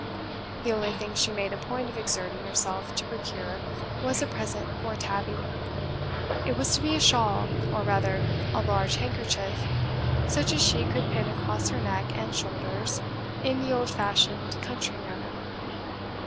The only thing she made a point of exerting herself to procure was a present for Tabby. It was to be a shawl, or rather a large handkerchief, such as she could pin across her neck and shoulders, in the old fashioned country manner.